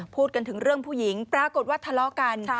พูดกันถึงเรื่องผู้หญิงปรากฏว่าทะเลาะกัน